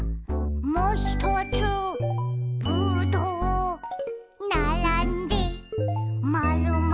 「もひとつぶどう」「ならんでまるまる」